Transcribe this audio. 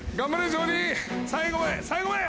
最後まで最後まで！